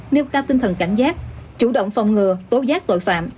nêu cao tinh thần cảnh giác chủ động phòng ngừa tố giác tội phạm